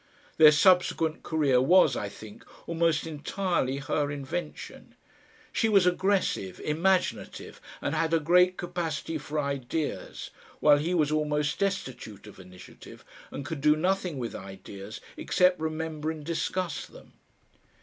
Their subsequent career was, I think, almost entirely her invention. She was aggressive, imaginative, and had a great capacity for ideas, while he was almost destitute of initiative, and could do nothing with ideas except remember and discuss them.